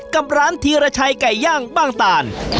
กับร้านธีรชัยไก่ย่างบ้างตาล